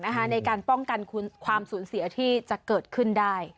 ในการป้องกันความสูญเสียที่จะเกิดขึ้นได้